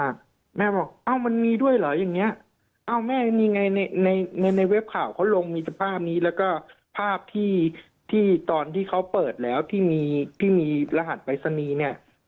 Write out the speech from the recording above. แม่บอกเอ้ามันมีด้วยเหรออย่างเงี้ยเอ้าแม่มีไงในในเว็บข่าวเขาลงมีสภาพนี้แล้วก็ภาพที่ที่ตอนที่เขาเปิดแล้วที่มีที่มีรหัสปรายศนีย์เนี่ย